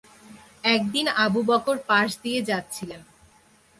একদিন Abu Bakr পাশ দিয়ে যাচ্ছিলেন।